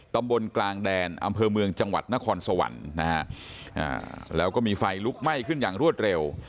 ตำบลกลางแดนอำเภอเมืองจังหวัดนครสวรรค์นะฮะแล้วก็มีไฟลุกไหม้ขึ้นอย่างรวดเร็ว